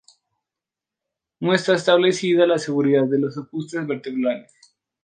No está establecida la seguridad de los ajustes vertebrales.